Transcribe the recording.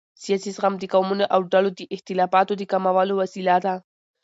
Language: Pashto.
سیاسي زغم د قومونو او ډلو د اختلافاتو د کمولو وسیله ده